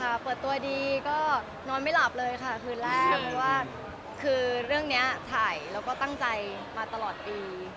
ค่ะเปิดตัวดีก็นอนไม่หลับเลยค่ะคือเรื่องนี้ถ่ายแล้วก็ตั้งใจมาตลอดปี